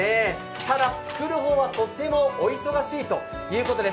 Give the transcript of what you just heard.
ただ、作る方は、とってもお忙しいということです。